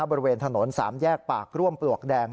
บริเวณถนน๓แยกปากร่วมปลวกแดง